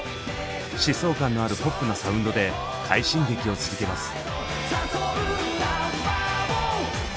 疾走感のあるポップなサウンドで快進撃を続けます。